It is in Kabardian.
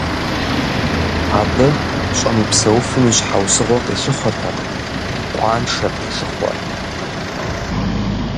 Абы щӏэмыпсэуфым и щхьэусыгъуэ къилъыхъуэртэкъым, къуаншэт къилъыхъуэр.